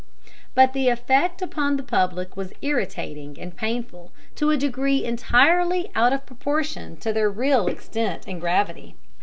But the effect upon the public was irritating and painful to a degree entirely out of proportion to their real extent and gravity.